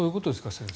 先生。